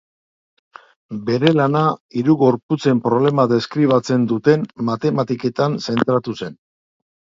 Bere lana hiru gorputzen problema deskribatzen duten matematiketan zentratu zen.